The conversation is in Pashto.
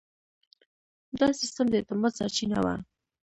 دا سیستم د اعتماد سرچینه وه.